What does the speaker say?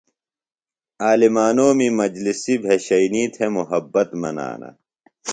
عالمانومی مجلسی بھشئینی تھےۡ محبت منانہ۔